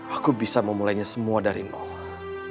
aku bisa memulainya semua dari nol